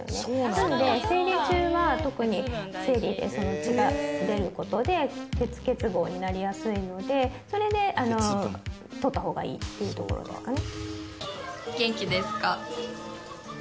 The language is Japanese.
なので生理中は特に生理で血が出る事で鉄欠乏になりやすいのでそれでとった方がいいっていうところですかね。